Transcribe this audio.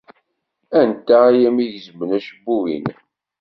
Anta ay am-igezmen acebbub-nnem?